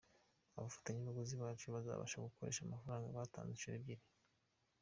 Abafatabuguzi bacu bazabasha gukoresha amafaranga batanze inshuro ebyiri.